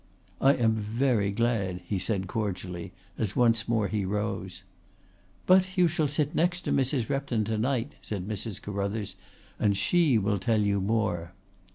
"I am very glad," he said cordially as once more he rose. "But you shall sit next to Mrs. Repton to night," said Mrs. Carruthers. "And she will tell you more."